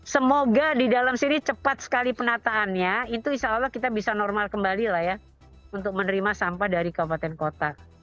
semoga di dalam sini cepat sekali penataannya itu insya allah kita bisa normal kembali lah ya untuk menerima sampah dari kabupaten kota